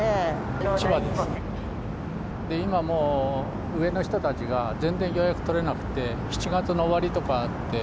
今もう、上の人たちが全然予約取れなくて、７月の終わりとかで。